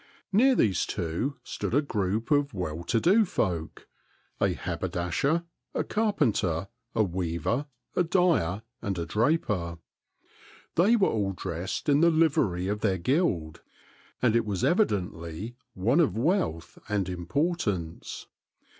Near these two stood a group of well to do folk, — a haberdasher, a carpenter, a weaver, a dyer, and a draper. They were all dressed in the livery of their guild, and it was evidently one of wealth and importance.